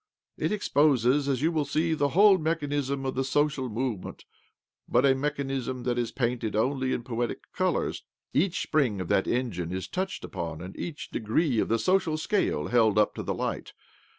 " It exposes, as you will see, the whole mechanism of the social movement— but a mechanism that is painted only in poetic colours. Each spring of that engine is touched upon, arid each degree of the social scale held up to the light.